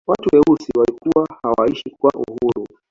watu weusi walikuwa hawaishi kwa uhuru